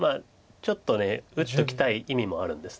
ちょっと打っときたい意味もあるんです。